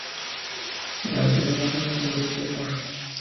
En la serie "Gotham" interpreta al Sr.